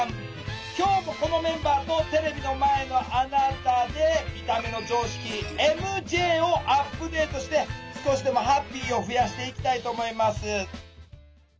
今日もこのメンバーとテレビの前のあなたで「見た目の常識ＭＪ」をアップデートして少しでもハッピーを増やしていきたいと思います。